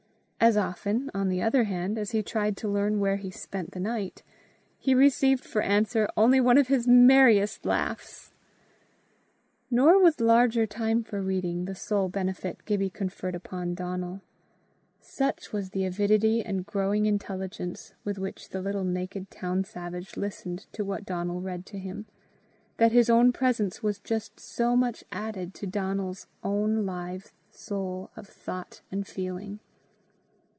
As often, on the other hand, as he tried to learn where he spent the night, he received for answer only one of his merriest laughs. Nor was larger time for reading the sole benefit Gibbie conferred upon Donal. Such was the avidity and growing intelligence with which the little naked town savage listened to what Donal read to him, that his presence was just so much added to Donal's own live soul of thought and feeling.